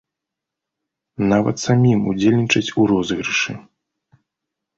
Нават самім удзельнічаць у розыгрышы.